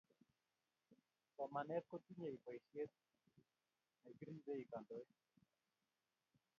somanet kotinyei paisiet nekiripei kandoik